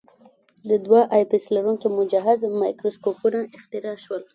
د دوه آی پیس لرونکي مجهز مایکروسکوپونه اختراع شول.